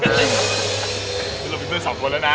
คือเรามีเพื่อนสองคนแล้วนะ